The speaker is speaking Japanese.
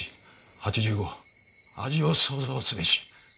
「８５味を想像すべし」。